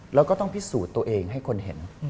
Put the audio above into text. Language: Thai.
แล้วก็ต้องพิสูจน์ตัวเองให้คนเห็น